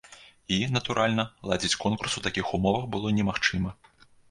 І, натуральна, ладзіць конкурс у такіх умовах было немагчыма.